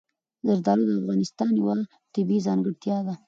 زردالو د افغانستان یوه طبیعي ځانګړتیا ده.